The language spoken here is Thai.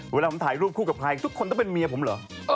เวลาผมถ่ายรูปคู่กับใครทุกคนต้องเป็นเมียผมเหรอ